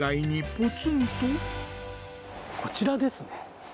こちらですね。